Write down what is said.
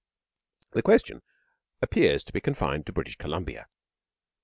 The Question appears to be confined to British Columbia.